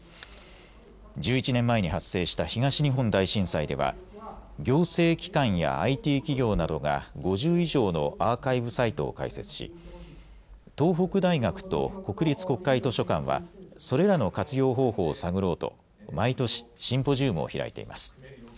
１１年前に発生した東日本大震災では行政機関やＩＴ企業などが５０以上のアーカイブサイトを開設し東北大学と国立国会図書館はそれらの活用方法を探ろうと毎年シンポジウムを開いています。